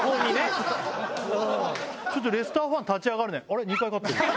ちょっとレスターファン立ち上がるね。